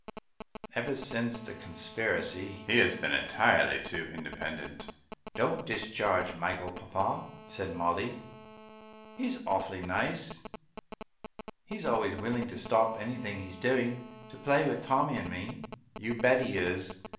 "Ever since the conspiracy he has been entirely too independent." "Don't discharge Michael, papa," said Mollie. "He's awful nice. He's always willin' to stop anything he's doing to play with Tommy and me." "You bet he is!"